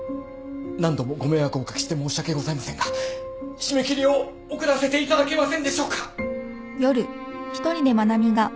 何度もご迷惑お掛けして申し訳ございませんが締め切りを遅らせていただけませんでしょうか？